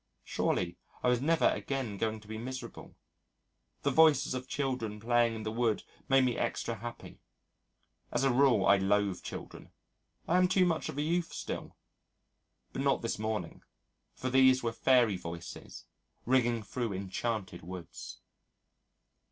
Surely I was never again going to be miserable. The voices of children playing in the wood made me extra happy. As a rule I loathe children. I am too much of a youth still. But not this morning. For these were fairy voices ringing through enchanted woods.